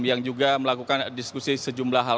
yang juga melakukan diskusi sejumlah hal